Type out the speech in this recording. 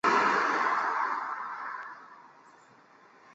却又无法说出口